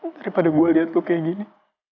daripada gue liat gue kayak gini